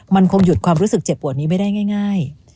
มันคงหยุดความรู้สึกเจ็บปวดนี้ไม่ได้ง่าย